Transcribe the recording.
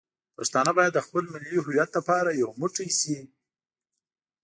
پښتانه باید د خپل ملي هویت لپاره یو موټی شي.